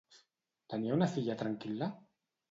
Tenia una filla tranquil·la?